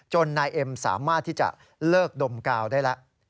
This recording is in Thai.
นายเอ็มสามารถที่จะเลิกดมกาวได้แล้ว